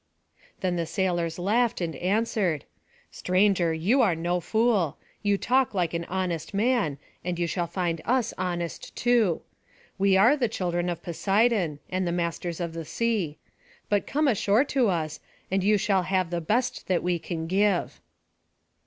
Then the sailors laughed and answered: "Stranger, you are no fool; you talk like an honest man, and you shall find us honest too. We are the children of Poseidon, and the masters of the sea; but come ashore to us, and you shall have the best that we can give."